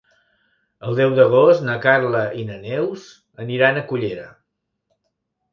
El deu d'agost na Carla i na Neus aniran a Cullera.